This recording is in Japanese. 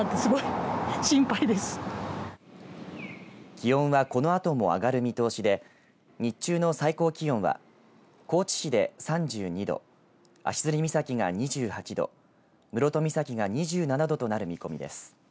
気温はこのあとも上がる見通しで日中の最高気温は高知市で３２度足摺岬が２８度室戸岬が２７度となる見込みです。